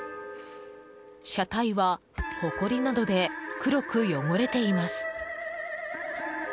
車体は、ほこりなどで黒く汚れています。